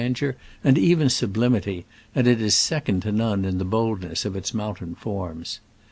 17 deur, and even sublimity, and it is second to none in the boldness of its mountain forms.